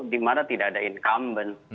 di mana tidak ada incumbent